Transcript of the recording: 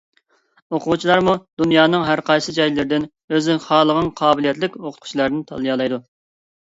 ئوقۇغۇچىلارمۇ دۇنيانىڭ ھەر قايسى جايلىرىدىن ئۆزى خالىغان قابىلىيەتلىك ئوقۇتقۇچىلارنى تاللىيالايدۇ.